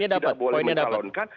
tidak boleh menjalonkan